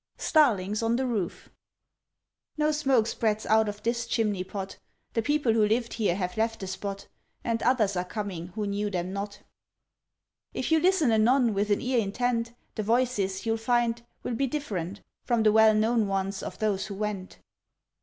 STARLINGS ON THE ROOF "NO smoke spreads out of this chimney pot, The people who lived here have left the spot, And others are coming who knew them not. "If you listen anon, with an ear intent, The voices, you'll find, will be different From the well known ones of those who went."